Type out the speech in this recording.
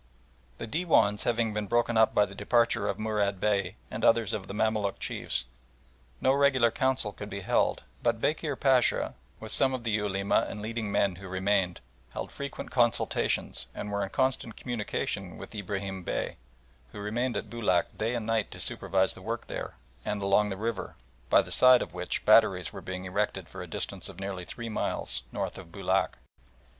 The Dewan having been broken up by the departure of Murad Bey and others of the Mamaluk chiefs, no regular council could be held; but Bekir Pacha, with some of the Ulema and leading men who remained, held frequent consultations and were in constant communication with Ibrahim Bey, who remained at Boulac day and night to supervise the work there and along the river, by the side of which batteries were being erected for a distance of nearly three miles north of Boulac.